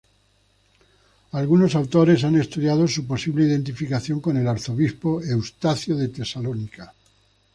Algunos autores han estudiado su posible identificación con el arzobispo Eustacio de Tesalónica.